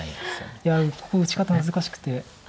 いやここ打ち方難しくて。